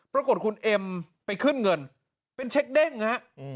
ปรากฏคุณเอ็มไปขึ้นเงินเป็นเช็คเด้งนะฮะ